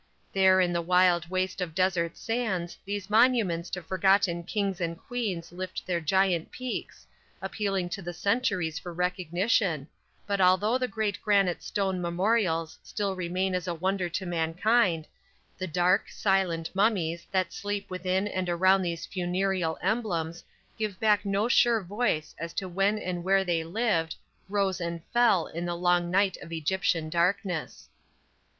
There in the wild waste of desert sands these monuments to forgotten kings and queens lift their giant peaks, appealing to the centuries for recognition, but although the great granite stone memorials still remain as a wonder to mankind, the dark, silent mummies that sleep within and around these funereal emblems give back no sure voice as to when and where they lived, rose and fell in the long night of Egyptian darkness.